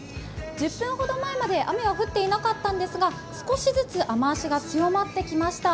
１０分ほど前まで雨は降っていなかったんですが、少しずつ雨足が強まってきました。